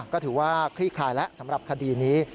ก็ถือว่าคลี่คลายแล้วสำหรับคดีนี้